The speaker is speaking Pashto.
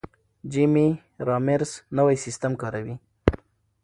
جیمي رامیرز نوی سیستم کاروي.